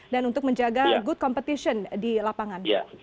dan untuk menjaga good competition di lapangan